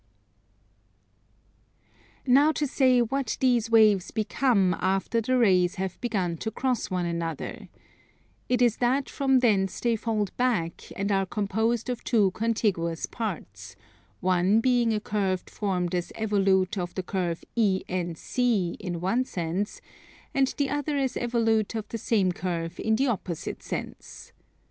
Now to say what these waves become after the rays have begun to cross one another: it is that from thence they fold back and are composed of two contiguous parts, one being a curve formed as evolute of the curve ENC in one sense, and the other as evolute of the same curve in the opposite sense.